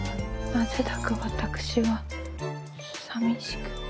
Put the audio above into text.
なぜだか私は寂しく。